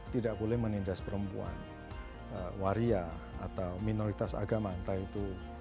tidak boleh menindas perempuan waria atau minoritas agama entah itu